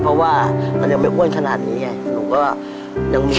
เพราะว่ามันยังไม่อ้วนขนาดนี้ไง